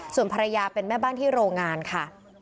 ส่วนภรรยาเป็นแม่บ้านที่โรงงานค่ะ